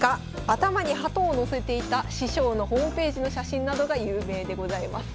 頭にハトをのせていた師匠のホームページの写真などが有名でございます。